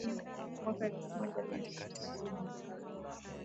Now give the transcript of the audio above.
Mwaka wa elfu moja mia tisa sabini na saba